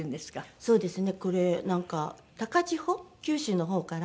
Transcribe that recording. そうですね。